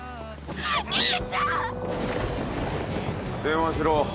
電話しろ。